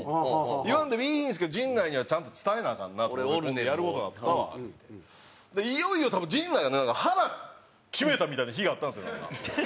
言わんでもいいんですけど陣内にはちゃんと伝えなアカンなと思って「やる事になったわ」って。でいよいよ陣内がなんか腹決めたみたいな日があったんですよ。